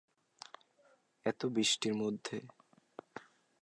এত বৃষ্টির মধ্যে?